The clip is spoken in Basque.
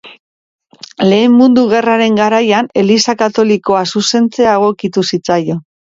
Lehen Mundu Gerraren garaian eliza katolikoa zuzentzea egokitu zitzaion.